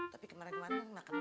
tapi kemarin kemarin makan